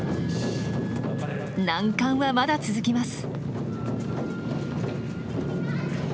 難関はまだ続きます。